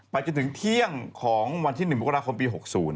ไปจนถึงเที่ยงของวันที่๑มกราศาสตร์ปี๖๐